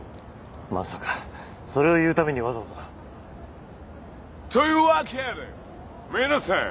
まさかそれを言うためにわざわざ？というわけで皆さん！